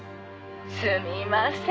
「すみません。